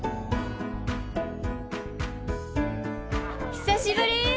久しぶり！